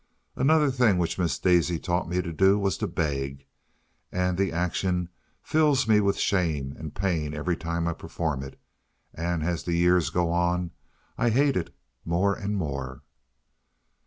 Another thing which Miss Daisy taught me to do was to beg; and the action fills me with shame and pain every time I perform it, and as the years go on I hate it more and more.